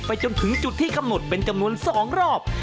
จนถึงจุดที่กำหนดเป็นจำนวน๒รอบ